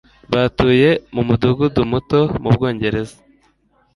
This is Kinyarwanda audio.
Batuye mu mudugudu muto mu Bwongereza.